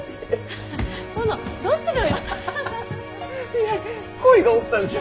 いや鯉がおったんじゃ。